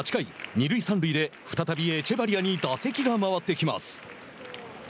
二塁三塁で再びエチェバリアに打席が回ってきます。